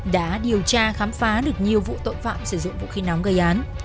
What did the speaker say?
đã điều tra khám phá được nhiều vụ tội phạm sử dụng vũ khí nóng gây án